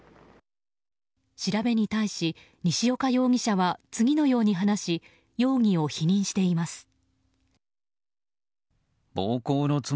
調べに対し、西岡容疑者は次のように話し容疑を否認しています。